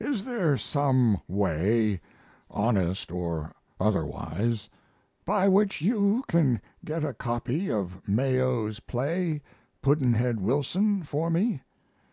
Is there some way, honest or otherwise, by which you can get a copy of Mayo's play, "Pudd'nhead Wilson," for me?